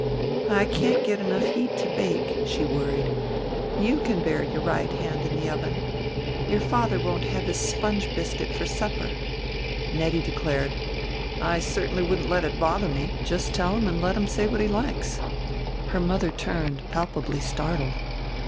"I can't get enough heat to bake," she worried; "you can bear your hand right in the oven. Your grandfather won't have his sponge biscuit for supper." Nettie declared, "I certainly wouldn't let it bother me. Just tell him and let him say what he likes." Her mother turned palpably startled.